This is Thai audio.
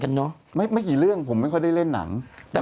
มันเป็นตาบ่าพวกกูจนวันตายลง